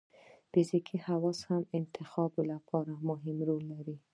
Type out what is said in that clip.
فزیکي خواص هم د انتخاب لپاره مهم رول لري.